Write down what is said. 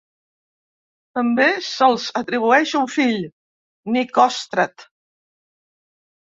També se'ls atribueix un fill, Nicòstrat.